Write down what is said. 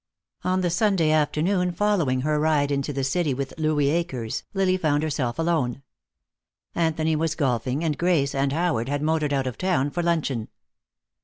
On the Sunday afternoon following her ride into the city with Louis Akers, Lily found herself alone. Anthony was golfing and Grace and Howard had motored out of town for luncheon.